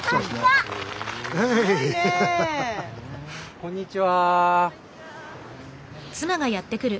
こんにちは。